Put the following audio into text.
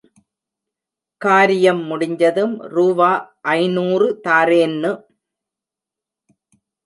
காரியம் முடிஞ்சதும் ரூவா ஐநூறு தாரேன்னு.